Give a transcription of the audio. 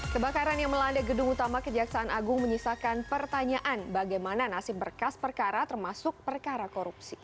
kebakaran yang melanda gedung utama kejaksaan agung menyisakan pertanyaan bagaimana nasib berkas perkara termasuk perkara korupsi